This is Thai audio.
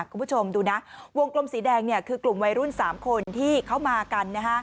คุณผู้ชมดูนะวงกลมสีแดงคือกลุ่มวัยรุ่น๓คนที่เขามากัน